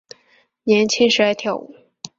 年轻时爱跳舞。